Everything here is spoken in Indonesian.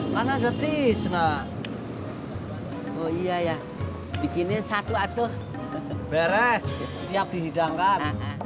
mana detik nah oh iya ya bikinnya satu atuh beres siap dihidangkan